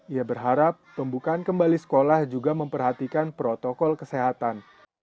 ia berharap pembukaan kembali sekolah juga memperhatikan protokol kesehatan